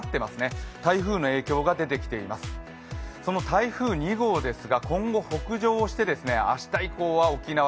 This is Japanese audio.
台風２号ですが今後、北上して明日以降は沖縄。